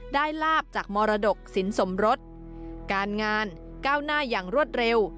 ลาบจากมรดกสินสมรสการงานก้าวหน้าอย่างรวดเร็ว